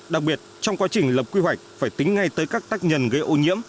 đặc biệt trong quá trình lập quy hoạch phải tính ngay tới các tác nhân gây ô nhiễm